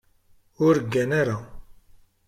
Ur ggan ara.